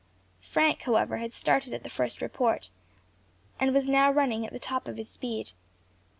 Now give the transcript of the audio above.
Frank, however, had started at the first report, and was now running at the top of his speed.